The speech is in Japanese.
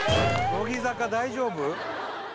乃木坂大丈夫？